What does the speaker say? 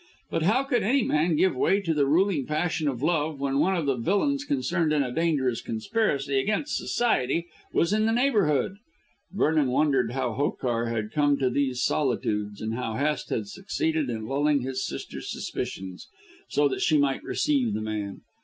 But how could any man give way to the ruling passion of love when one of the villains concerned in a dangerous conspiracy against society was in the neighbourhood? Vernon wondered how Hokar had come to these solitudes and how Hest had succeeded in lulling his sister's suspicions, so that she might receive the man.